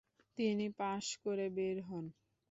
তিনি পাশ করে বের হন।